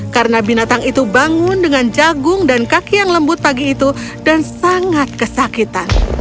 karena binatang itu bangun dengan jagung dan kaki yang lembut pagi itu dan sangat kesakitan